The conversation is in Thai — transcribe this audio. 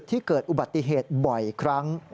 เกิดอุบัติเหตุบ่อยครั้ง